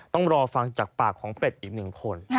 ต้องรอฟังจากปากของเป็ดอีกหนึ่งคน